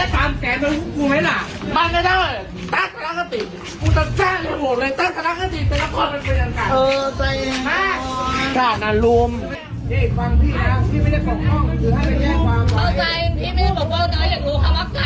ไปฟังภาพเหตุการณ์สักนิดหนึ่งฮะ